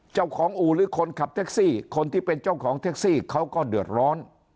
อู่หรือคนขับแท็กซี่คนที่เป็นเจ้าของแท็กซี่เขาก็เดือดร้อน